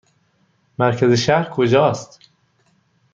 مرکز شهر کجا است؟